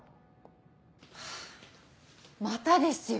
ハァまたですよ。